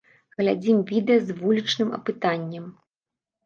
Глядзім відэа з вулічным апытаннем.